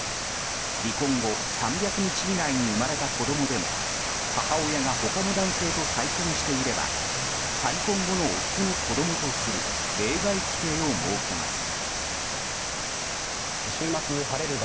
離婚後３００日内に生まれた子供でも母親が他の男性と再婚していれば再婚後の夫の子供とする例外規定を設けます。